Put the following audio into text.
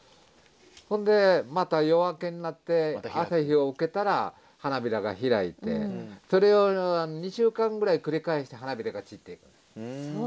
ほんでまた夜明けになって朝日を受けたら花びらが開いてそれを２週間ぐらい繰り返して花びらが散っていく。